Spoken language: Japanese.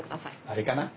あれかな？